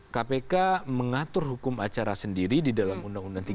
kpk mengatur hukum acara sendiri di dalam undang undang tiga puluh tahun dua ribu dua